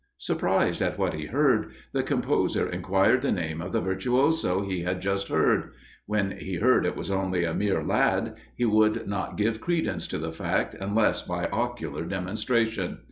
Surprised at what he heard, the composer inquired the name of the virtuoso he had just heard. When he heard it was only a mere lad, he would not give credence to the fact unless by ocular demonstration.